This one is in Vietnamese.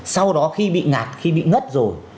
sau đó khi bị ngạt khi bị ngất rồi